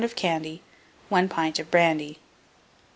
of candy, 1 pint of brandy.